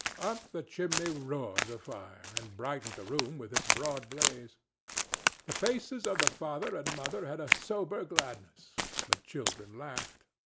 Up the chimney roared the fire, and brightened the room with its broad blaze. The faces of the father and mother had a sober gladness; the children laughed.